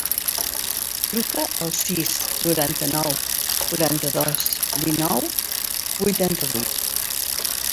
Truca al sis, noranta-nou, quaranta-dos, dinou, vuitanta-vuit.